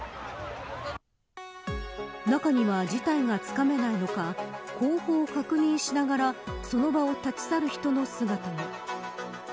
中には事態がつかめないのか後方を確認しながらその場を立ち去る人の姿も。